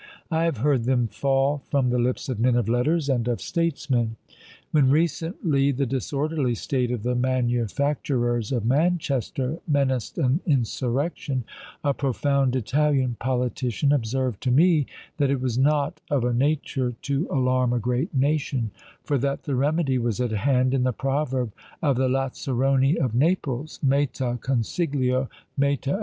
I have heard them fall from the lips of men of letters and of statesmen. When recently the disorderly state of the manufacturers of Manchester menaced an insurrection, a profound Italian politician observed to me, that it was not of a nature to alarm a great nation; for that the remedy was at hand, in the proverb of the Lazzaroni of Naples, _Metà consiglio, metà esempio, metà denaro!